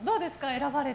選ばれて。